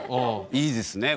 いいですね。